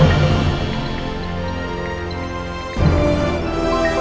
aku minta maaf aku yang salah